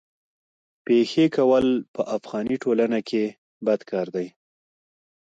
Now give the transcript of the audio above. پېښې کول په افغاني ټولنه کي بد کار دی.